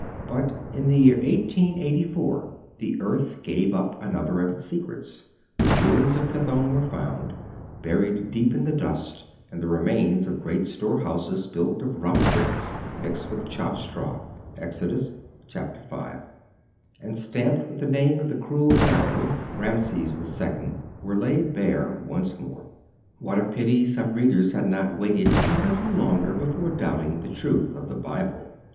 But in the year 1884 the earth gave up another of its secrets the ruins of Pithom were found, buried deep in the dust; and the remains of great store houses built of rough bricks, mixed with chopped straw (Exodus v.) and stamped with the name of the cruel Pharaoh (Ramesis the Second) were laid bare once more. What a pity some readers had not waited a little longer before doubting the truth of the Bible!